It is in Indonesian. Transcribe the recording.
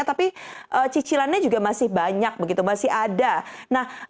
tapi cicilannya juga masih banyak begitu masih ada